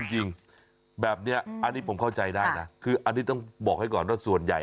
จริงแบบนี้อันนี้ผมเข้าใจได้นะคืออันนี้ต้องบอกให้ก่อนว่าส่วนใหญ่